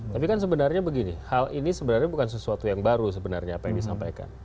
tapi kan sebenarnya begini hal ini sebenarnya bukan sesuatu yang baru sebenarnya apa yang disampaikan